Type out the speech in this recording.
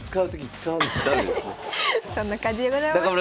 そんな感じでございました。